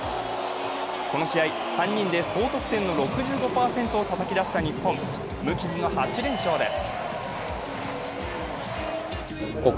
この試合３人で総得点の６５％をたたき出した日本、無傷の８連勝です。